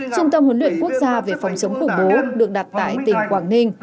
trung tâm huấn luyện quốc gia về phòng chống khủng bố được đặt tại tỉnh quảng ninh